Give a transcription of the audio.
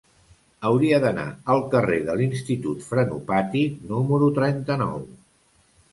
Hauria d'anar al carrer de l'Institut Frenopàtic número trenta-nou.